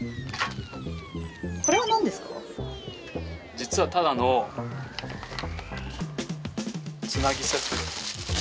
実はただのつなぎセット。